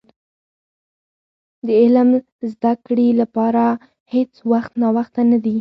د علم زدي کړي لپاره هيڅ وخت ناوخته نه دي .